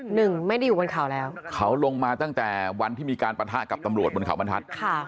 หนึ่งไม่ได้อยู่บนเขาแล้วเขาลงมาตั้งแต่วันที่มีการปะทะกับตำรวจบนเขาบรรทัศน์